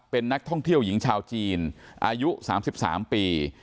เป็นนักท่องเที่ยวหญิงชาวจีนอายุ๓๓ปี